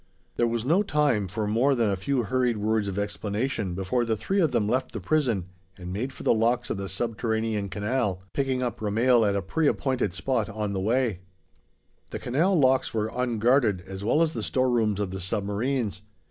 There was no time for more than a few hurried words of explanation before the three of them left the prison and made for the locks of the subterranean canal, picking up Romehl at a preappointed spot on the way. The canal locks were unguarded, as well as the storerooms of the submarines.